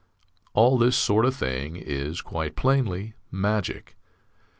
] All this sort of thing is, quite plainly, magic.